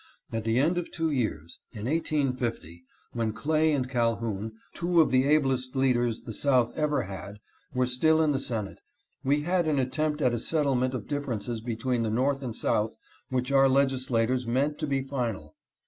At the end of two years, in 1850, when Clay and Calhoun, two of the ablest leaders the South ever had, were still in the Senate, we had an attempt at a settlement of differences between the North and South which our legislators meant to be final.